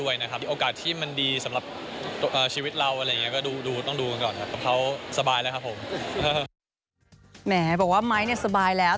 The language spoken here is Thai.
แหมบอกว่าไม๊ส์คือสบายแล้ว